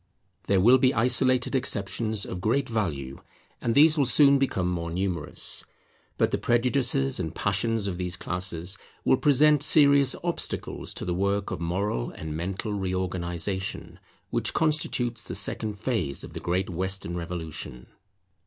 There will be isolated exceptions of great value, and these will soon become more numerous: but the prejudices and passions of these classes will present serious obstacles to the work of moral and mental reorganization which constitutes the second phase of the great Western revolution.